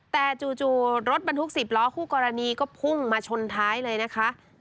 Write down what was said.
แต่จู่รถบรรทุก๑๐ล้อคู่กรณีก็พุ่งมาชนท้ายเลยนะคะ